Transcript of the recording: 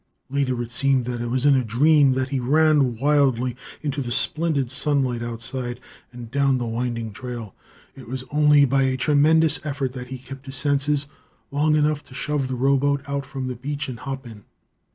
Later, it seemed that it was in a dream that he ran wildly into the splendid sunlight outside and down the winding trail. It was only by a tremendous effort that he kept his senses long enough to shove the rowboat out from the beach and hop in.